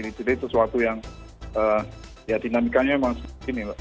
jadi itu sesuatu yang dinamikanya memang seperti ini